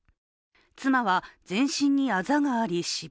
妻は、全身にあざがあり死亡。